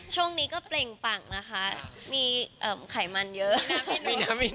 ช่วงนี้ก็เปล่งปังนะคะมีไขมันเยอะ